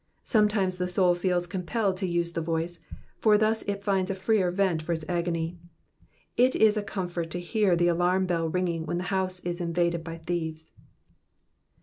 Sometimes the soul feels compelled to use the voice, for thus it finds a freer vent for its agony. It is a comfort to hear the alarm bell ringing when the house is invaded by thieves.